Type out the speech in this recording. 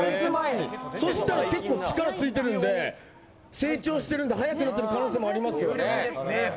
そうしたら結構、力がついてるので成長しているので速くなっている可能性もありますね。